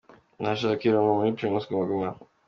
Ntashaka irungu muri Primus Guma Guma….